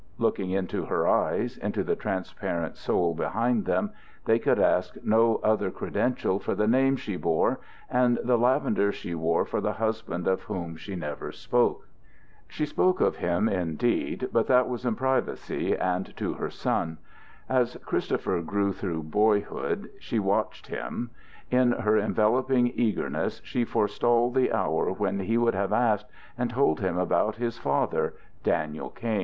Looking into her eyes, into the transparent soul behind them they could ask no other credential for the name she bore and the lavender she wore for the husband of whom she never spoke. She spoke of him, indeed, but that was in privacy, and to her son. As Christopher grew through boyhood, she watched him; in her enveloping eagerness she forestalled the hour when he would have asked, and told him about his father, Daniel Kain.